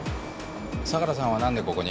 相良さんは何でここに？